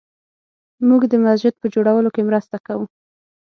موږ د مسجد په جوړولو کې مرسته کوو